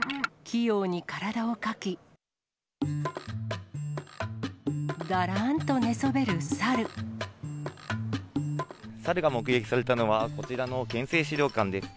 器用に体をかき、だらんと寝猿が目撃されたのは、こちらの県政資料館です。